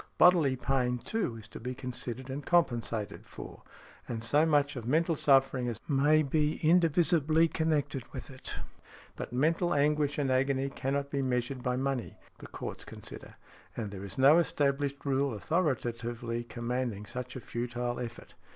Bodily pain, too, is to be considered and compensated for; and so much of mental suffering as may be indivisibly connected with it; but mental anguish and agony cannot be measured by money—the courts consider—and there is no established rule authoritatively commanding such a futile effort .